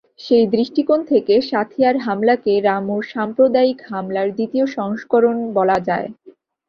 সেই দৃষ্টিকোণ থেকে সাঁথিয়ার হামলাকে রামুর সাম্প্রদায়িক হামলার দ্বিতীয় সংস্করণ বলা যায়।